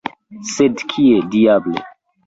Sed kie, diable!